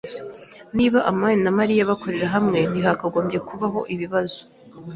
Niba amani na Mariya bakorera hamwe, ntihakagombye kubaho ibibazo.